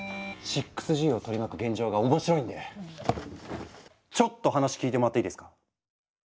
６Ｇを取り巻く現状が面白いんでちょっと話聞いてもらっていいですか？